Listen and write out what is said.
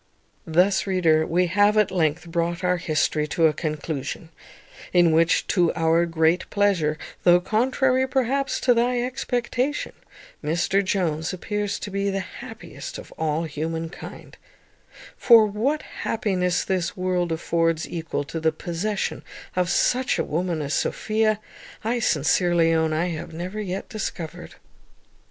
Thus, reader, we have at length brought our history to a conclusion, in which, to our great pleasure, though contrary, perhaps, to thy expectation, Mr Jones appears to be the happiest of all humankind; for what happiness this world affords equal to the possession of such a woman as Sophia, I sincerely own I have never yet discovered.